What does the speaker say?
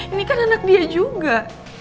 ini kan anak dia juga